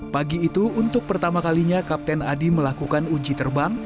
pagi itu untuk pertama kalinya kapten adi melakukan uji terbang